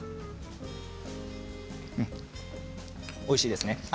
おいしいですね。